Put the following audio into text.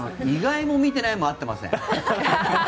意外も、見てないも合ってません。